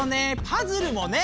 パズルもね。